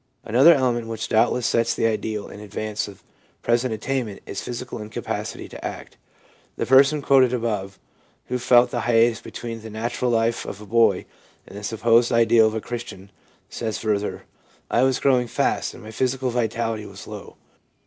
Another element which doubtless sets the ideal in advance of present attainment is physical incapacity to act. The person quoted above, who felt the hiatus be tween the natural life of a boy and the supposed ideal of a Christian, says further :' I was growing fast, and my physical vitality was low.